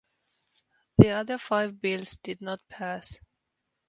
The other five bills did not pass.